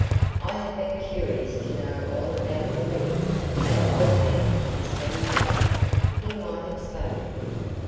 "I have been curious to know all about the will. That old man has been maddening. He might have spoken."